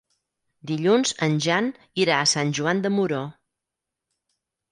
Dilluns en Jan irà a Sant Joan de Moró.